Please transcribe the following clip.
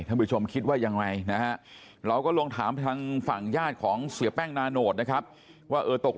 ได้ออกมาอย่างที่ท่านผู้ช่วยแมนได้บอกแล้วว่า